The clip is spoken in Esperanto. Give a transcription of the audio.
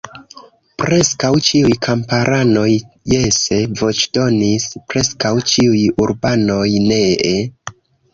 Preskaŭ ĉiuj kamparanoj jese voĉdonis; preskaŭ ĉiuj urbanoj nee.